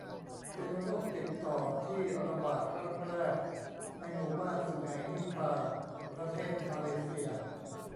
เป็นโรคติดต่อที่ระบาดครั้งแรกในหมู่บ้านสุไหงนิปาห์ ประเทศมาเลเซีย